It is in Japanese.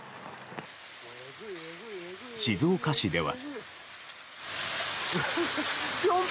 静岡市では。